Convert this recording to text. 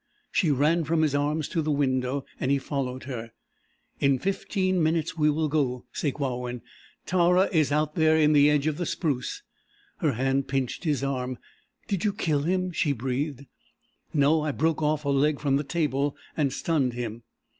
She ran from his arms to the window and he followed her. "In fifteen minutes we will go, Sakewawin. Tara is out there in the edge of the spruce." Her hand pinched his arm. "Did you kill him?" she breathed. "No. I broke off a leg from the table and stunned him."